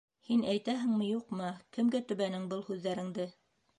Һин әйтәһеңме, юҡмы, кемгә төбәнең был һүҙҙәреңде?